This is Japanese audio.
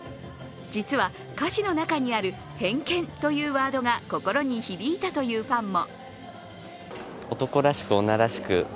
実は歌詞の中にある「偏見」というワードが心に響いたというファンも。